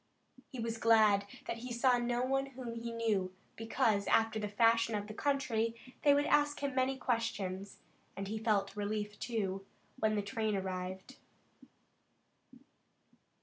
He was glad that he saw no one whom he knew, because, after the fashion of the country, they would ask him many questions, and he felt relief, too, when the train arrived.